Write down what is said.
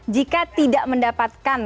jika tidak mendapatkan